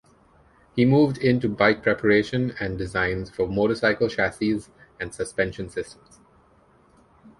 He moved into bike preparation and designs for motorcycle chassis and suspension systems.